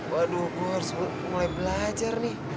waduh gue harus mulai belajar nih